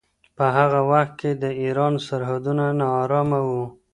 په هغه وخت کې د ایران سرحدونه ناارامه وو.